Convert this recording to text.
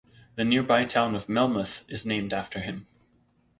The nearby town of Melmoth is named after him.